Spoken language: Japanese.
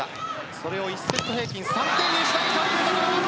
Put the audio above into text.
それを１セット平均３点にしたいというのが。